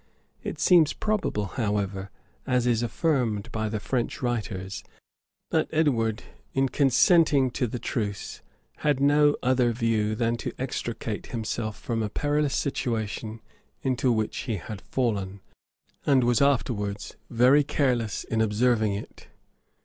It seems probable, however, as is affirmed by the French writers, that Edward, in consenting to the truce, had no other view than to extricate himself from a perilous situation into which he had fallen, and was afterwards very careless in observing it.